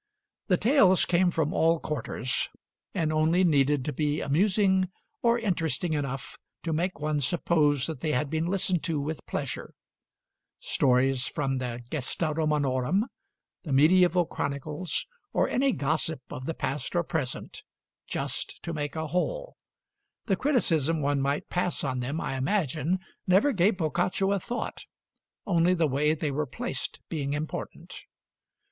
The tales came from all quarters, and only needed to be amusing or interesting enough to make one suppose that they had been listened to with pleasure: stories from the 'Gesta Romanorum,' the mediæval chronicles, or any gossip of the past or present, just to make a whole; the criticism one might pass on them, I imagine, never gave Boccaccio a thought, only the way they were placed being important.